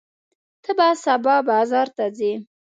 ته به سبا بازار ته ځې؟